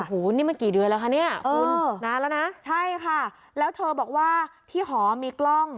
โอ้โหนี่มันกี่เดือนแล้วคะเนี่ยคุณนานแล้วนะใช่ค่ะแล้วเธอบอกว่าที่หอมีกล้อง